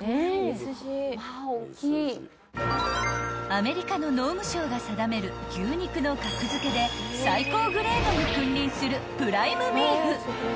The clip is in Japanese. ［アメリカの農務省が定める牛肉の格付けで最高グレードに君臨するプライムビーフ］